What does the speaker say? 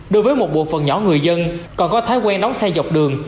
đối với một bộ phần nhỏ người dân còn có thái quen đóng xe dọc đường